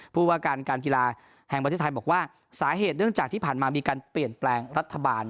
ผู้ว่าการการกีฬาแห่งประเทศไทยบอกว่าสาเหตุเนื่องจากที่ผ่านมามีการเปลี่ยนแปลงรัฐบาล